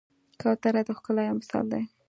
کوتره د ښکلا یو مثال دی.